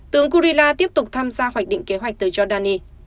tướng gurila tiếp tục tham gia hoạch định kế hoạch từ jordani